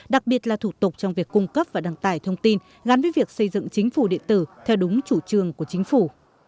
đặc biệt là thủ tục trong việc cung cấp và đăng tải thông tin gắn với việc xây dựng chính phủ điện tử theo đúng chủ trương của chính phủ